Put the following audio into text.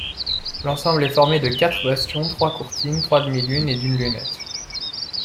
L’ensemble est formé de quatre bastions, trois courtines, trois demi-lunes et d’une lunette.